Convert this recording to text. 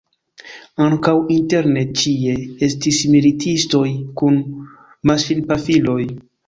Ankaŭ interne ĉie estis militistoj kun maŝinpafiloj.